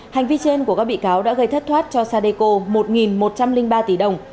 hành vi trên của các bị cáo đã gây thất thoát cho sadeco một một trăm linh ba tỷ đồng